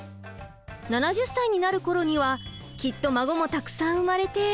７０歳になる頃にはきっと孫もたくさん生まれて。